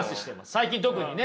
最近特にね。